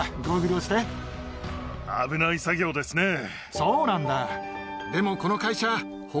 そうなんだでも。